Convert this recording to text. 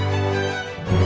sekali lagi mba